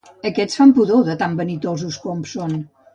Aquests fan pudor de tan vanitosos com són.